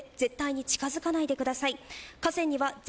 危険ですので絶対に近づかないでください。